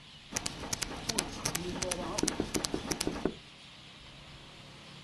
Ur ttxemmim ara akk.